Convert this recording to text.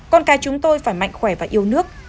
con cái chúng tôi phải mạnh khỏe và yêu nước